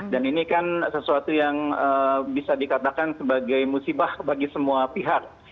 ini kan sesuatu yang bisa dikatakan sebagai musibah bagi semua pihak